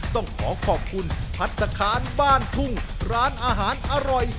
ต้องขอขอบคุณพัฒนาคารบ้านทุ่งร้านอาหารอร่อย